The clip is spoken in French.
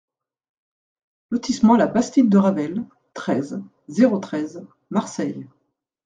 Lotissement La Bastide de Ravel, treize, zéro treize Marseille